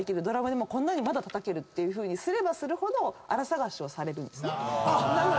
ドラムでもこんなにまだたたけるっていうふうにすればするほどあら探しをされるんですね。